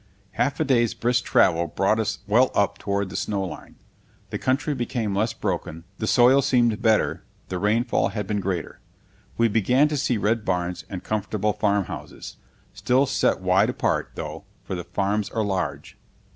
Half a day's brisk travel brought us well up toward the snow line. The country became less broken, the soil seemed better, the rainfall had been greater. We began to see red barns and comfortable farmhouses, still set wide apart, though, for the farms are large.